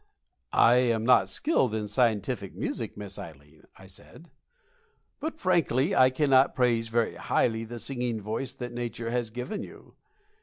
"I am not skilled in scientific music, Miss Ileen," I said, "but, frankly, I cannot praise very highly the singing voice that Nature has given you.